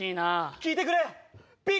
聞いてくれ。